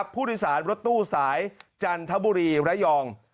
ผู้โดยสารรถตู้สายจันทบุรีระยอง